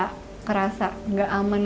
ngerasa gak aman